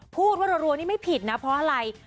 พูดว่ารัวนี่ไม่ผิดนะเพราะอะไร